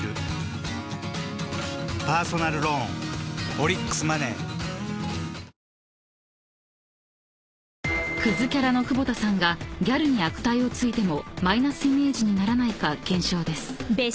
「アサヒスーパードライ」［クズキャラの久保田さんがギャルに悪態をついてもマイナスイメージにならないか検証です］